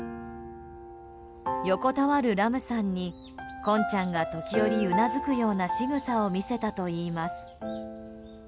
横たわるラムさんにコンちゃんが時折うなずくようなしぐさを見せたといいます。